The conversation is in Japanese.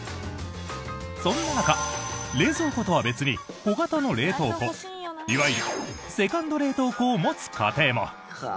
そんな中、冷蔵庫とは別に小型の冷凍庫いわゆるセカンド冷凍庫を持つ家庭も！